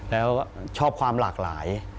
แล้วชอบความหลากหลาย